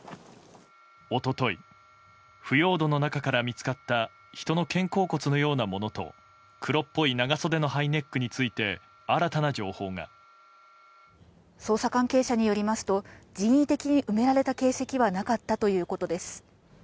一昨日腐葉土の中から見つかった人の肩甲骨のようなものと黒っぽい長袖のハイネックについて捜査関係者によりますと人為的に埋められた形跡はなかったということです。